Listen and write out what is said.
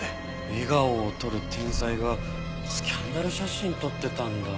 笑顔を撮る天才がスキャンダル写真撮ってたんだ。